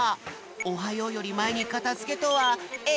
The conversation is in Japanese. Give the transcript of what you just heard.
「おはよう」よりまえにかたづけとはえらい！